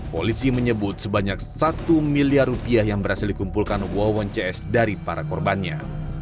polisi menyebut sebanyak satu miliar rupiah yang berhasil dikumpulkan wawan cs dari para korbannya